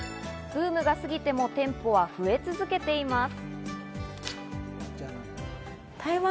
ブルームが過ぎても店舗は増え続けています。